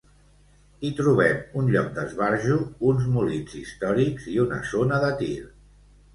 Hi trobem un lloc d'esbarjo, uns molins històrics i una zona de tir.